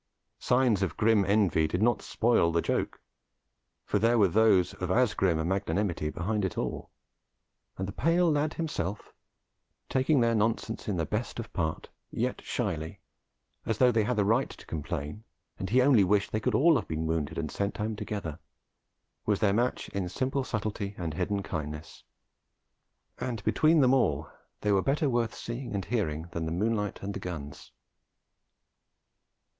Signs of grim envy did not spoil the joke, for there were those of as grim a magnanimity behind it all; and the pale lad himself, taking their nonsense in the best of part, yet shyly, as though they had a right to complain, and he only wished they could all have been wounded and sent home together, was their match in simple subtlety and hidden kindness. And between them all they were better worth seeing and hearing than the moonlight and the guns.